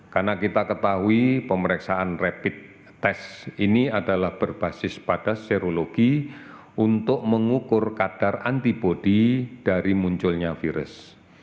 karena kita ketahui pemeriksaan rapid test ini adalah berbasis pada serologi untuk mengukur kadar antibody dari munculnya virus